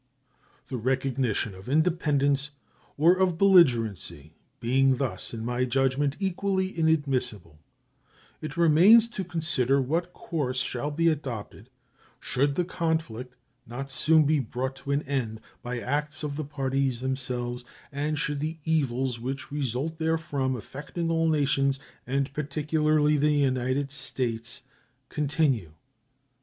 The recognition of independence or of belligerency being thus, in my judgment, equally inadmissible, it remains to consider what course shall be adopted should the conflict not soon be brought to an end by acts of the parties themselves, and should the evils which result therefrom, affecting all nations, and particularly the United States, continue.